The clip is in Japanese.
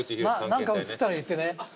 何か映ったら言ってね。